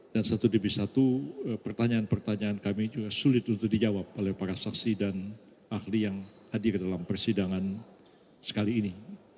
dan satu demi satu pertanyaan pertanyaan kami juga sulit untuk dijawab oleh para saksi dan ahli yang hadir dalam persidangan sekali ini